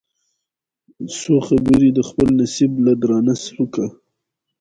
سو خبر د خپل نصیب له درانه سوکه